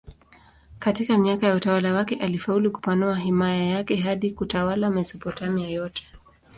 Katika miaka ya utawala wake alifaulu kupanua himaya yake hadi kutawala Mesopotamia yote.